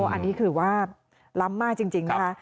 อันนี้คือว่าล้ำมากจริงนะคะ